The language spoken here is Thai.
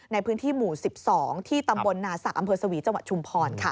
ในพื้นที่หมู่๑๒ที่ตำบลนาศักดิ์อำเภอสวีจังหวัดชุมพรค่ะ